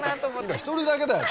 今１人だけだよ